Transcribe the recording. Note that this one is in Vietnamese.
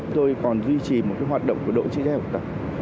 tôi còn duy trì một hoạt động của đội chứa cháy học tập